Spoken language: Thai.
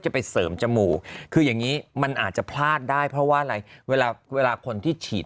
ไปเสริมจมูกคืออย่างนี้มันอาจจะพลาดได้เพราะว่าอะไรเวลาคนที่ฉีด